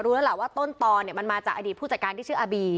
รู้แล้วล่ะว่าต้นตอนเนี่ยมันมาจากอดีตผู้จัดการที่ชื่ออบี